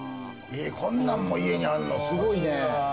こんなんも家にあるの、すごいね。